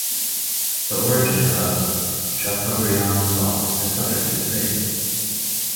The origin of chateaubriand sauce is subject to debate.